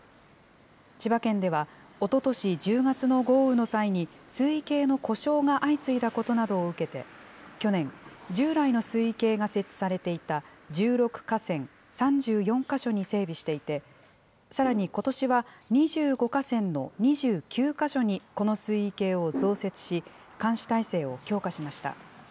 千葉県では、おととし１０月の豪雨の際に、水位計の故障が相次いだことなどを受け、去年、従来の水位計が設置されていた１６河川３４か所に整備していて、さらにことしは、２５河川の２９か所に、この水位計を増設し、監視体制を強化しました。